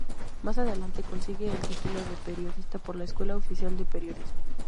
Más adelante consigue el título de periodista por la Escuela Oficial de Periodismo.